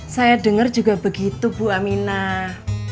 saya dengar juga begitu bu aminah